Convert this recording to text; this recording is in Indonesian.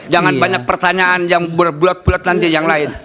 jangan banyak pertanyaan yang berbulat bulat nanti yang lain